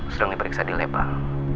sedang diperiksa di lebar